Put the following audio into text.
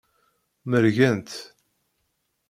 Mergent.